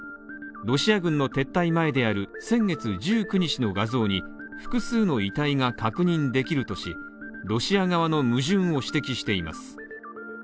ロシア軍の撤退前である先月１９日の画像に複数の遺体が確認できるとしロシア側の矛盾を指摘しています。